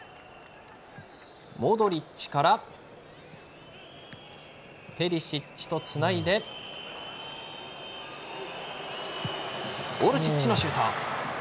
モドリッチからペリシッチとつないでオルシッチのシュート。